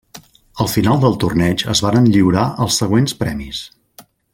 Al final del torneig es varen lliurar els següents premis.